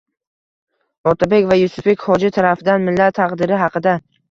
Otabek va Yusufbek hoji tarafidan millat taqdiri haqida